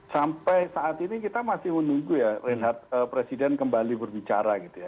sampai saat ini kita masih menunggu ya reinhard presiden kembali berbicara gitu ya